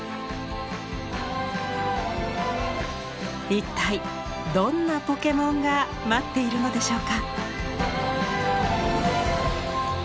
一体どんなポケモンが待っているのでしょうか。